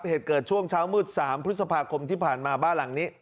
เหตุเกิดช่วงเช้ามืด๓พฤษภาคมที่ผ่านมาบ้านหลังนี้